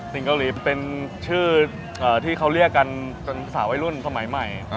เกาหลีเป็นชื่อที่เขาเรียกกันจนสาววัยรุ่นสมัยใหม่